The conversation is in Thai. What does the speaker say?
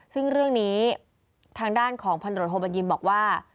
ซึ่งเรื่องนี้ทางด้านของพันตรวจโทบัญญินบอกว่า